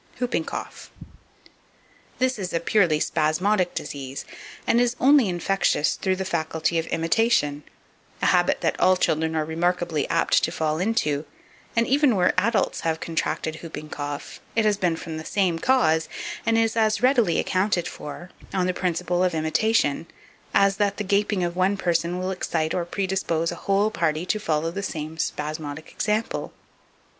Hooping Cough. 2564. THIS is purely a spasmodic disease, and is only infectious through the faculty of imitation, a habit that all children are remarkably apt to fall into; and even where adults have contracted hooping cough, it has been from the same cause, and is as readily accounted for, on the principle of imitation, as that the gaping of one person will excite or predispose a whole party to follow the same spasmodic example.